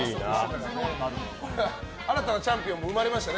新たなチャンピオンも生まれましたね